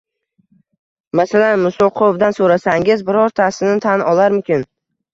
Masalan Musoqovdan so‘rasangiz birortasini tan olarmikin?